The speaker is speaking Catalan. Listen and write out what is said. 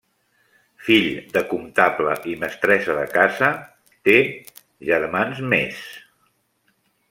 Fill de comptable i mestressa de casa, té germans més.